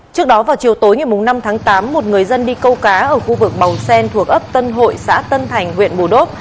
trước đó vào chiều tối ngày năm tháng tám một người dân đi câu cá ở khu vực màu sen thuộc ấp tân hội xã tân thành huyện bù đốp